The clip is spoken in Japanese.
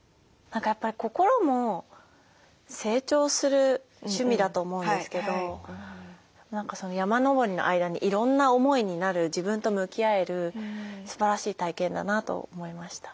何かやっぱり心も成長する趣味だと思うんですけど何か山登りの間にいろんな思いになる自分と向き合えるすばらしい体験だなと思いました。